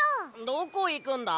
どこいくんだ？